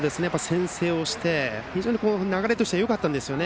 先制をして非常に流れとしてはよかったんですよね。